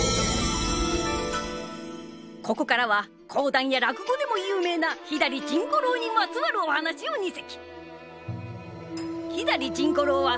ここからは講談や落語でも有名な左甚五郎にまつわるお噺を二席。